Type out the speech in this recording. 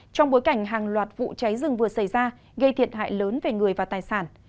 trong bối cảnh hàng loạt vụ cháy rừng vừa xảy ra gây thiệt hại lớn về người và tài sản